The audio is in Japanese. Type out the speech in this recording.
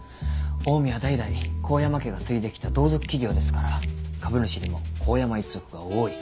オウミは代々神山家が継いで来た同族企業ですから株主にも神山一族が多い。